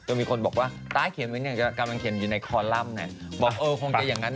แล้วมีคนบอกว่าตายเขียนไหมกำลังเขียนอยู่ในคอลัมเพราะดูขนาดนั้น